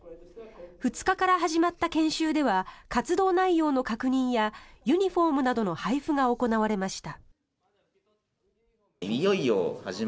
２日から始まった研修では活動内容の確認やユニホームなどの配布が行われました。